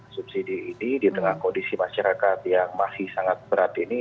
subsidi ini di tengah kondisi masyarakat yang masih sangat berat ini